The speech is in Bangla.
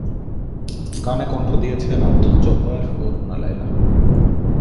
গানে কণ্ঠ দিয়েছেন আব্দুল জব্বার ও রুনা লায়লা।